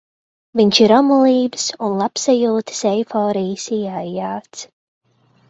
Viņš ir omulības un labsajūtas eiforijas ieaijāts.